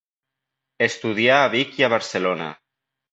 Estudià a Vic i a Barcelona.